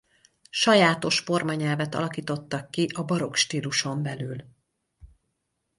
Sajátos formanyelvet alakítottak ki a barokk stíluson belül.